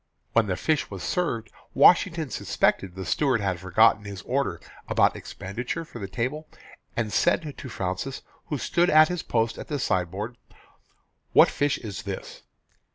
When the fish was served Washington suspected the steward had forgotten his order about expenditure for the table and said to Fraunces, who stood at his post at the sideboard, "What fish is this?"